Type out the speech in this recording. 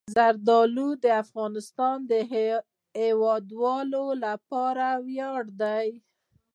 زردالو د افغانستان د هیوادوالو لپاره ویاړ دی.